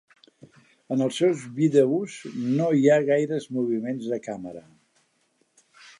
En els seus vídeos no hi ha gaires moviments de càmera.